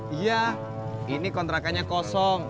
iya ini kontrakannya kosong